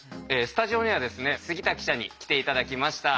スタジオにはですね杉田記者に来て頂きました。